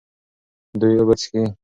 دوی اوبه څښي.